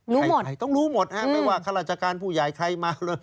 ใครต้องรู้หมดฮะไม่ว่าข้าราชการผู้ใหญ่ใครมาเลย